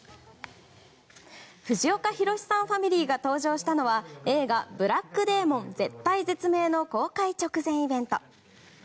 藤岡弘、さんファミリーが登場したのは映画「ブラック・デーモン絶体絶命」の公開直前イベント。